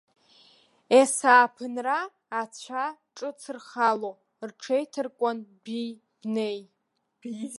Ес-ааԥынра ацәа ҿыц рхало рҽеиҭаркуан дәи-бнеи.